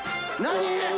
何？